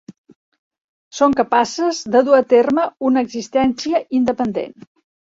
Són capaces de dur a terme una existència independent.